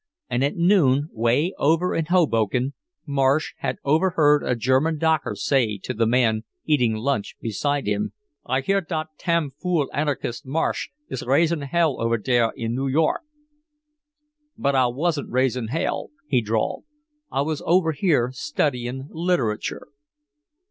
And at noon, way over in Hoboken, Marsh had overheard a German docker say to the man eating lunch beside him, "I hear dot tamn fool anarchist Marsh is raising hell ofer dere in New York." "But I wasn't raising hell," he drawled. "I was over here studying literature."